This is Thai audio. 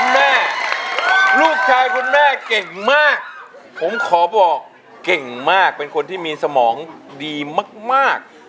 แม่ลูกชายคุณแม่เก่งมากผมขอบอกเก่งมากเป็นคนที่มีสมองดีมาก